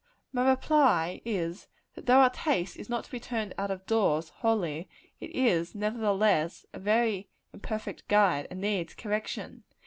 My reply is, that though our taste is not to be turned out of doors, wholly, it is, nevertheless, a very imperfect guide, and needs correction.